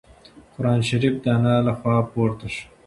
قرانشریف د انا له خوا پورته شو.